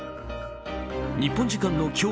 日本時間の今日